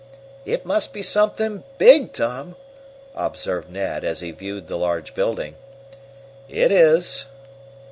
"It must be something big, Tom," observed Ned, as he viewed the large building. "It is."